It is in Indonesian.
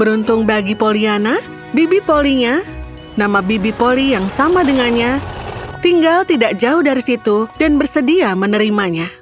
beruntung bagi poliana bibi polinya nama bibi poli yang sama dengannya tinggal tidak jauh dari situ dan bersedia menerimanya